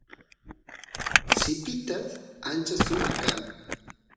sipitas ancha sumaq kan